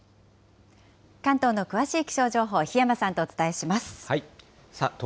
関東の詳しい気象情報、檜山さんとお伝えします。